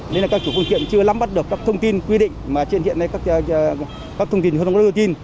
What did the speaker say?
nên là các chủ phương tiện chưa lắm bắt được các thông tin quy định mà truyền hiện các thông tin